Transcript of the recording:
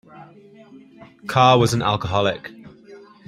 Carr was an alcoholic.